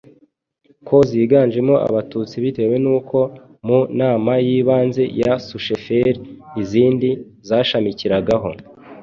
ko ziganjemo Abatutsi: bitewe n'uko mu nama y'ibanze ya susheferi izindi zashamikiragaho,